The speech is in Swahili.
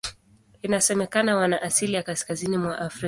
Inasemekana wana asili ya Kaskazini mwa Afrika.